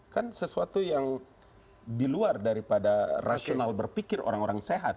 kan sesuatu yang di luar daripada rasional berpikir orang orang sehat